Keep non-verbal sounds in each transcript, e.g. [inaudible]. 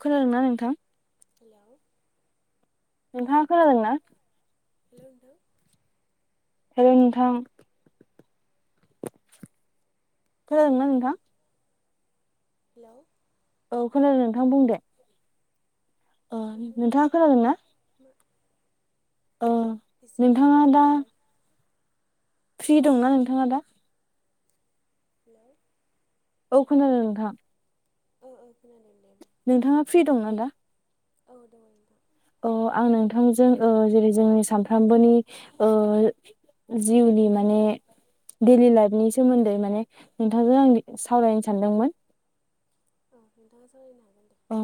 खोनादोंना नोंथां? हेल' नोंथाङा खोनादोंना? हेल' हेल'। हेलौ नोंथां खोनादोंना नोंथां? हेलौ औ खोनादों नोंथां बुं दे। नोंथाङा नोंथांनियाव खोनादों ना? मा एसे गिदिर नोंथाङा गिदिर दा रायलाय फ्रि दंना नोंथाङा दा? हेलौ औ खोनादों नोंथां। ओ ओ खोनादों दे नोंथाङा फ्रि दंना दा? औ दङ नोंथां अ आं नोंथांजों ओ जेरै जोंनि सानफ्रामबोनि जिउनि माने डैलि लाइफनि सोमोन्दै माने नोंथांजों आं सावरायनो सानदोंमोन औ नोंथाङा सालायनांगोन अ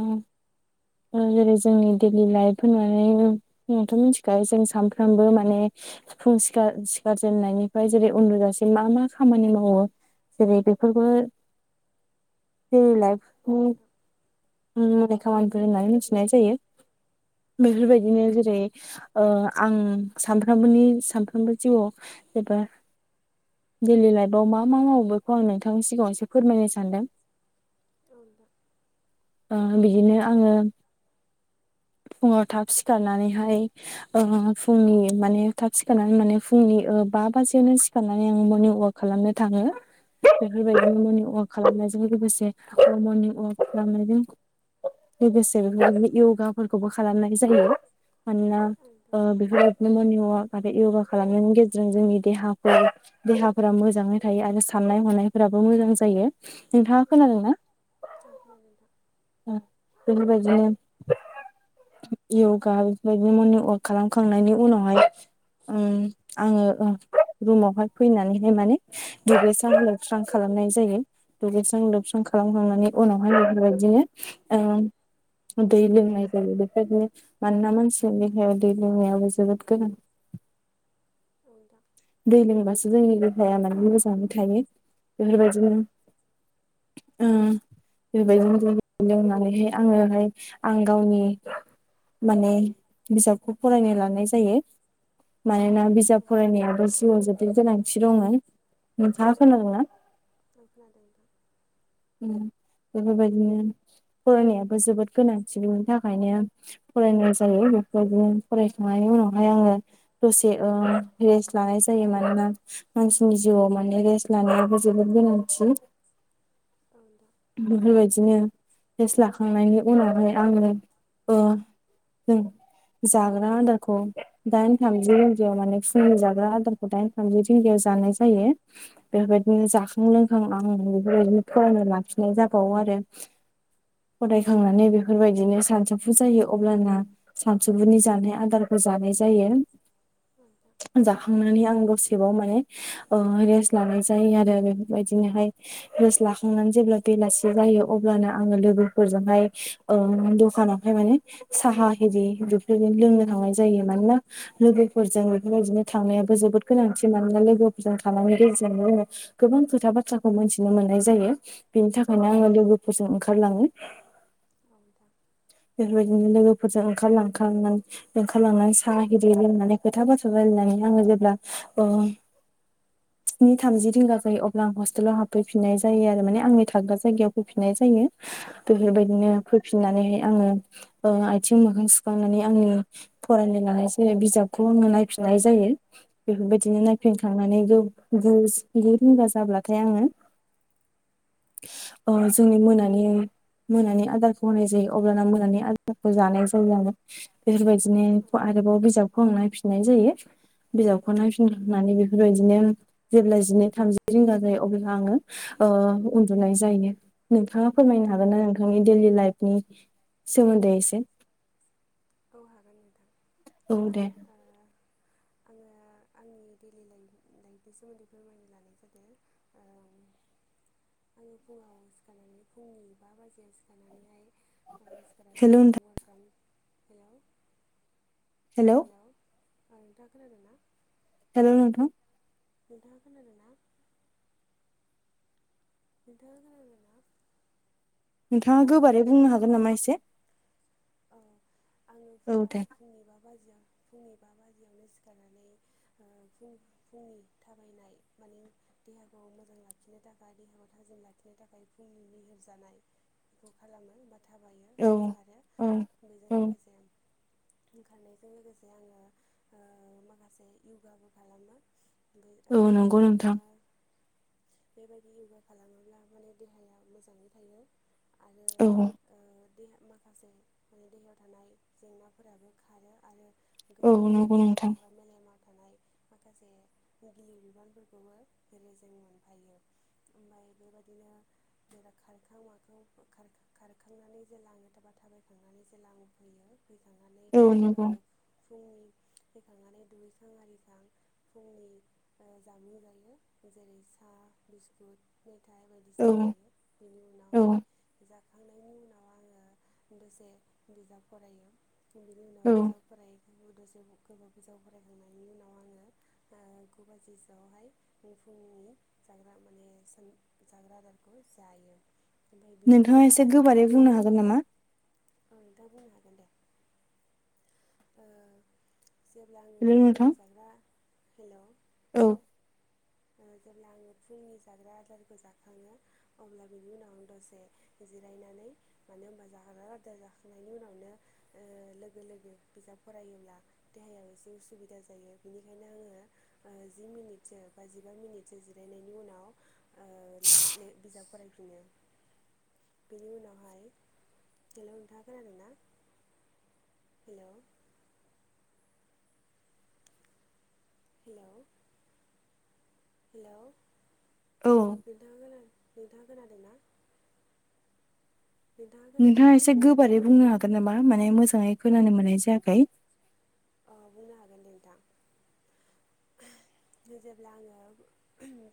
जेरै जोंनि डैलि लाइफ होननानैथ' मिथिखायो जों सानफ्रामबो माने सि फुं सिखार सिखारजेननायनिफ्राय जेरै उन्दुजासिम मा मा खामानि मावो जेरै बेफोरबो जोंनि औ औ नोंथां लाइफनि खामानिफोर होननानै मिथिनाय जायो उम बेफोरबायदिनो उम जेरै ओ आं सानफ्रामबोनि सानफ्रामबो जिउआव एबा डैलि लाइफआव मा मा मावो बेखौ आं नोंथांनि सिगाङावसो फोरमायनो सानदों औ नंगौ ओ बिदिनो आङो फुङाव थाब सिखारनानैहाय फुंनि माने थाब सिखारनानै माने फुंनि बाजियावनो सिखारनानै आं मर्नि ववाक खालामनो थाङो औ नोंथां बेफोरबायदिनो औ मनि वाक खालामनायजों लोगोसे मर्निं वाक खालामनाय जायो लोगोसे युगा फोरखौबो खालामनाय जायो मानोना नोंथां बेफोर एनो मरनिं अवाक आरो युगा खालामनायनि गेजेरजों जोंनि देहा देहाफोरा मोजाङै थायो आरो साननाय हनायफोरा मोजां जायो नोंथाङा औ नोंथां औ खोनादों नोंथां उम औ नोंथां उम औ नोंथां औ खोनादों नोंथां औ नोंथां औ नोंथां औ नोंथां खोनादोंना औ नोंथां औ नोंथां औ नोंथां उम औ बेबायदिनो युगा बेबायदिनो मोन खालामखांनायनि उनावहाय आङो रुमावहाय फैनानैहाय माने दुगैस्रां लोबस्रां खालामनाय जायो दुगैस्रां लोबस्रां खालामखांनायनि उनावहाय बेफोरबायदिनो ओ दै लोंनाय जायो बेखनो मानोना मानसिया देहायाव दै लोंनायाबो जोबोद गोनां दै लोङबासो जोंनि थाया मान मोजाङै थायो बेफोरबादिनो ओ [unintelligible] लोंनानैहाय आङोहाय आं गावनि माने बिजाबखौ फरायनो लानाय जायो। मानोना बिजाब फरायनायाबो जिउआव जोबोद गोनांथि दङ नोंथाङा खोनादोंना [inaudible] उम बेफोरबायदिनो फरायनायाबो जोबोद गोनांथि बेनि थाखायनो फरायनाय जायो बेबायदिनो फरायखांनायनि उनावहाय आङो दसे ओ रेस्ट लानाय जायो मानोना मानसिनि जिउआव माने रेस लानायाबो जोबोद गोनांथि बिफोरबाय दिनो रेसट लाखांनायनि उनावहाय आङो ओ जों जाग्रा आदारखौ दाइन थामजि रिंगायाव माने फुंनि जाग्रा आदारखौ दाइन थामजि रिंगायाव जानाय जायो बेफोरबायदिनो जाखां लोंखां आं बेफोरबायदिनो फरायनो लाखिनाय जाबावो आरो फरायखांनानै बेफोरबायदिनो सानसौफु जायो अब्लाना सानसौफुनि जानाय आदारफोर जांनाय जायो जाखांनानै आं दसे माने ओ रेस लानाय जायो आरो बेफोरबायदिनोहाय रेस ला खांनानै जेब्ला बेलासि जायो अब्लानो आङो लोगोफोरजोंहाय दखानावहाय माने साहा हेरि बेफोरनो लोंनो थांनाय जायो मानोना लोगोफोरजों बेफोरबायदिनो थांनायाबो जो बोद गोनांथि मानोना लोगोफोरजों थालांनि गेजेरजोंनो जोङो गोबां खोथा बाथ्राखौ मोनथिनो मोननाय जायो बिनि थाखायनो आङो लोगोफोरजों ओंखारलाङो। औ नोंथां बेफोरबायदिनो लोगोफोरजों ओंखारलखांनानै ओंखारलांनानै साहा एरि लोंनानै खोथा बथ्रा राय नानै आङो जेब्ला स्नि थामजि रिंगा जायो अब्ला आं हस्टेलाव हाबफैफिननाय जायो आरो माने आंनि थाग्रा जायगायाव फैफिननाय जायो। बेफोरबायदिनो फैफिननानै आङो आथिं मोखां सुखांनानै आंनि फरायनो लानाय जा बिजाबखौ आङो नायफि नाय जायो बेफोरबायदिनो नायफिनखांनानै गु रिंगा जाब्लाथाय आङो जोंनि मोनानि मोनानि आदारखौ होनाय जायो। अब्लाना मोनानि आदारखौ जानाय जायो आरो बेफोरबायदिनो आरोबाव बिजाबखौ आं नायफिन नाय जायो बिजाबखौ नायफिननानै बेफोरबायदिनो जेब्ला जिनै थामजि रिंगा जायो अब्ला आङो ओ उन्दुनाय जायो नोंथाङा फोरमायनो हागोन नोंथां ना नोंथांनि दैडेलि लाइफनि सोमोन्दै एसे औ हागोन औ दे आंङो आंनि दैलि लाइफ लाइफनि सोमोन्दै फोरमायनो लानाय जादों आङो फुङाव सिखारनानै फुंनि बा बाजियाव सिखारनानैहाय सिखारनानै हेल' नोंथां मरनिं वार्कआव हेल' हेलौ नोंथां खोनादोंना हेलौ नोंथां नोंथांङा खोनादोंना [unintelligible] नोंथाङा हेलौ गोबारै बुंनो हागोन नामा एसे औ आङो औ फुङाव दे फुंनिबा बाजियाव फुंनि बा बाजियावनो सिखारनानै फुंनि थाबायनाय [unintelligible] औ औ औ [unintelligible] [inaudible] ओंखारनायजों लोगोसे आङो माखासे यगाबो खालामो बे ओ औ नंगौ नोंथां बेबायदिनो बेबायदि य'गा खालामोब्ला माने देहाया मोजाङै थायो। आरो औ ओ देहा माखासे माने दैेहायाव थानाय जेंनाफोराबो खारो आरो औ गोसो आरो नंगौ नोंथां खर'आव मेलेमा थानाय माखासे गिलिर बिबानफोरखौबो जेरै जों मोनफायो। ओमफ्राय बेबायदिनो जेब्ला खारखां माखां खारखांनानै जेला आङो था बायखांनानै जेब्ला आ फैयो फैखांनानै औ नंगौ [inaudible] फैखांनानै दुगैसां आरि सां फुंनि जामुं जायो जेरै सान बिस्कुत मिथाय औ बायदिसिना जायो बिनि उनाव औ हाय दसे बिजाब फरायो बिनि उनाव औ बिजाब फरायो। दसे गोबाव बिजाब फरायखांनायनि उनाव आङो ओ गु बाजिसोआवहाय फुंनि जाग्रा माने जों जा जाग्रा आदारखौ जायो। ओमफ्राय बिनि नोंथाङा एसे गोबारै बुंनो हागोन नामा? ओ नोंथां बुंनो हागोन दे ओ‌ जेब्ला आङो हेल' फुंनि नोंथां जाग्रा हेल' औ ओ जेब्ला आङो फुंनि जाग्रा आदारखौ जाखाङो अब्ला बिनि उनाव आं दसे जिरायनानै मानो होनबा जाग्रा आदार जाखांनायनि उनावनो ओ लोगो लोगो बिजाबफोर फरायोब्ला देहायाव एसे उसुबिदा जायो बेनिखायनो आङो ओ जि मिनिटसो बा जिबा मिनिटसो जिरायनायनि उनाव ओ बिजाब फरायफिनो। बिनि उनावहाय हेल' नोंथांआ खोनादोंना? हेल' हेल' हेल' औ नोंथांआ खोना नोंथां? खोनादों ना? नोंथाङा एसे गोबारै बुंनो हागोन नामा? माने मोजाङै खोनानो मोननाय जायाखै। अ' बुंनो हागोन दे नोंथां। [inaudible] जेब्ला आङो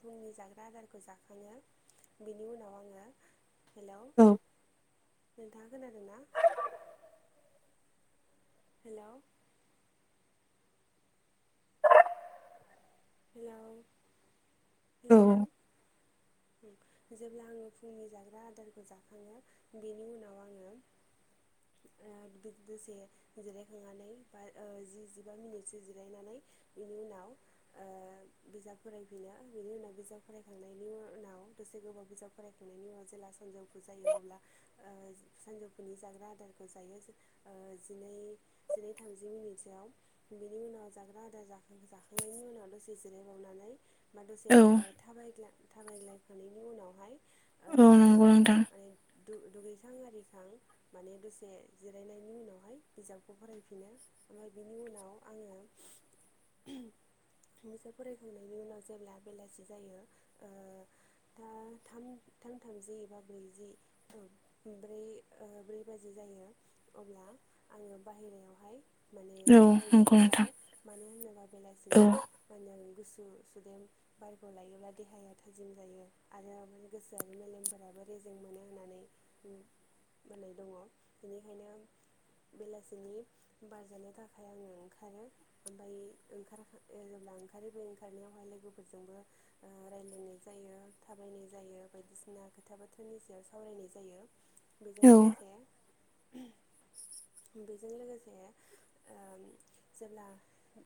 फुंनि जाग्रा आदारखौ जाखाङो बिनि उनाव आङो हेल औ। नोंथाङा खोनादों ना? हेल' हेल' औ हेल' नोंथां। [inaudible] जेब्ला आङो फुंनि जाग्रा आदारखौ जाखाङो बेनि उनाव आङो ओ द-दसे जिरायखांनानै बा ओ जि जिबा मिनिटसो जिरायनानै इनि उनाव [inaudible] बिजाब फरायफिनो बिनि उनाव बिजाब फरायखांनायनि उनाव दसे गोबाव बिजाब फरायखांनायनि उनाव जेला सानजौफु जायो अब्ला ओ सानजौफुनि जाग्रा आदारखौ जायो ओ जिनै जिनै थामजि मिनिटसोआव बिनि उनाव जाग्रा आदार जाखां जाखांनायनि उनाव बा दसे जिरायबावनानै बा दसे औ ओ थाबायग्ला थाबायग्लायखांनायनि उनावहाय औ नोंगौ नोंथां। दु-दुगैखां आरिखां माने दसे जिरायनायनि उनावहाय बिजाबखौ फरायफिनो। ओमफाय बिनि उनाव आङो [inaudible] मोसा फरायखांनायनि उनाव जेब्ला बेलासि जायो ओ था-थाम थामजि एबा ब्रैजि ओ ब्रै ओ ब्रै बाजि जा जायो अब्ला आङो बाहेरायावहाय माने औ थाबायनो नंगौ नोंथां ओंखारो मानो होनोबा औ बेलासिनि मा होनो गुसु सुदेम बारखौ लायोब्ला देहाया थाजिम जायो आरो माने गोसोआनो मोज मेलेमफोराबो रेजें मोनो होननानै उम बुंनाय दङ' बेनिखायनो बेलासिनि बार जानो थाखाय आङो ओंखारो ओमफाय ओंखारखां [inaudible] ओंखारो बे ओंखारनायावहाय लोगोफोरजोंबो ओ रायलानाय जायो थाबायनाय जायो बायदिसिना खोथा बाथ्रानि सायाव सावरायनाय जायो बेजों औ लोगोसे [inaudible] बेजों लोगोसे ओ जेब्ला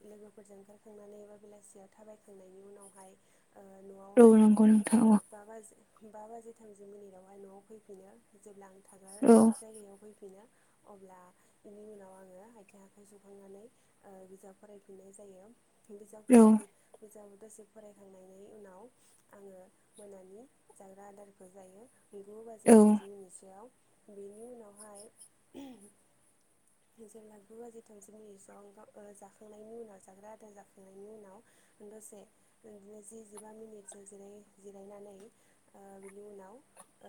लोगोफोरजों ओंखार थांनानै एबा बेलासियाव थाबायखांनायनि उनावहाय न'आवहाय पग्रामखौ नोंथां अ बा बाजि बा बाजि थामजि मिनिटआवहाय न'आव फैफिनो जेब्ला आं थाग्रा औ जायगायाव फैफिनो अब्ला बेनि उनाव आङो आथिं आखाइ सुखांनानै ओ बिजाब फरायफिननाय जायो बिजाब औ फराय मोजां दसे फरायखांनायनि उनाव आङो मोनानि जाग्रा आदारखौ जायो गु बाजि औ थामजि मिनिटसोआव बेनि उनावहाय जेब्ला गु बाजि थामजि मिनिट जआव जाखांनायनि उनाव जाग्रा जाखांनायनि उनाव दसे जि जिबा मिनिटसो जिराय जिरायनानै ओ बिनि उनाव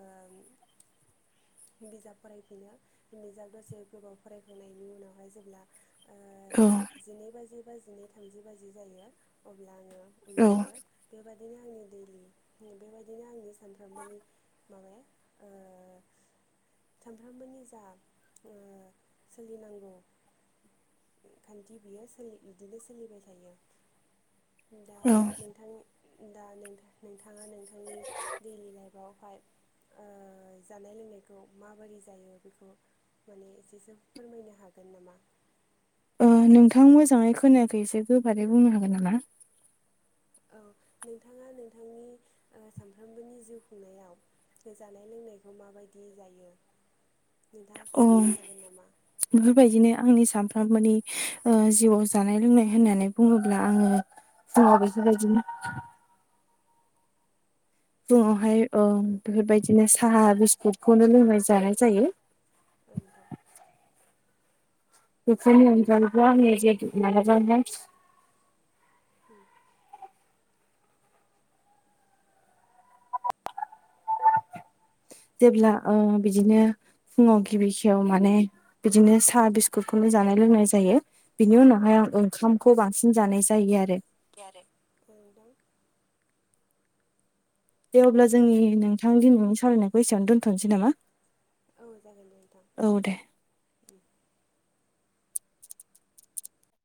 ओम [inaudible] बिजाब फरायफिनो बिजाब दसे गोबाव फरायखांनायनि उनावहाय जेब्ला ओ औ जिनै बाजि बा जिनै थामजि बाजि जायो अब्ला आङो औ उन्दुयो बेबादि [unintelligible] बेबायदिनो आंनि सानफ्रोमबोनि माबाया ओ सानफ्रोमबोनि जा ओ सोलिनांगौ खान्थि बियो सोलि बिदिनो सोलिबाय थायो। दा औ नोंथां दा नोंथा नोंथाङा नोंथांनि दैलि लाइफआवहाय ओ जानाय लोंनायखौ माबोरै जायो बेखौ माने एसेसो फोरमायनो हागोन नामा? ओ नोंथां मोजाङै खोनायाखै एसे गोबारै बुंनो हागोन नामा? औ नोंथाङा नोंथांनि ओ सानफ्रोमबोनि जिउ खुंनायाव जानाय लों नायखौ माबायदि जायो? नोंथाङा अ खोन्थानो हागोन नामा बेफोरबायदिनो आंनि साम थारमानि ओ जिउआव जानाय लोंनाय होननानै बुङोब्ला आङो जा बेफोरबायदि फुङावहाय ओ बेफोरबायदिनो साहा बिस्कुटखौनो लोंनाय जानाय जायो। औ नोंथां। बेखायनो अनजालुआ आंनि जे [unintelligible] उम। जेब्ला ओ बिदिनो फुङाव गिबि खियाव माने बिदिनो साहा बिस्कुटखौनो जानाय लोंनाय जायो। बिनि उनावहाय आं ओंखामखौ बांसिन जानाय जायो आरो। ओमफाय आरो दे अब्ला जोंनि नोंथां दि न'नि सावरायनायखौ एसेयावनो दोन्थ'नोसै नामा? औ जागोन दे नोंथां। औ दे